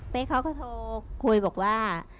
เป็นเขาก็โทรคุยบอกว่า